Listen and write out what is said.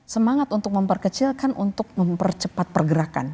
semangat untuk memperkecilkan untuk mempercepat pergerakan